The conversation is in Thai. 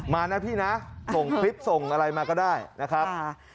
มานะพี่นะส่งคลิปส่งอะไรมาก็ได้นะครับ